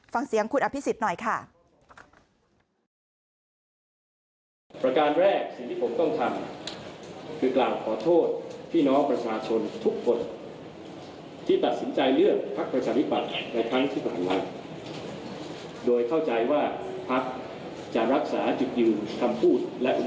ฟังเสียงคุณอภิษฎหน่อยค่ะ